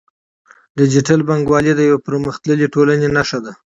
ډیجیټل بانکوالي د یوې پرمختللې ټولنې نښه ده.